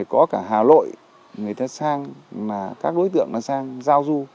có cả hà nội người ta sang các đối tượng sang giao du